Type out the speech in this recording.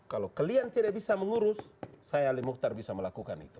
kalau kalian tidak bisa mengurus saya ali mukhtar bisa melakukan itu